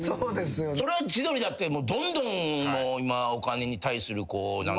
そりゃ千鳥だってどんどんもう今お金に対するこう。